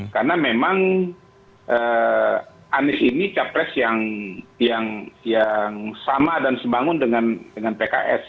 karena memang anies ini capres yang sama dan sebangun dengan pks